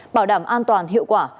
bảo đảm an toàn hiệu quả